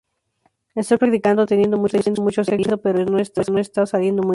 Estoy practicando teniendo mucho sexo en diferido, pero no está saliendo muy bien.